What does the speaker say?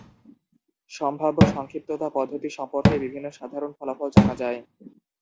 সম্ভাব্য সংক্ষিপ্ততা পদ্ধতি সম্পর্কে বিভিন্ন সাধারণ ফলাফল জানা যায়।